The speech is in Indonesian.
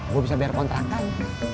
gue bisa biar kontrakan